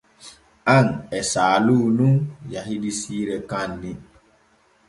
An e Saalu nun yahidi siire kaanni.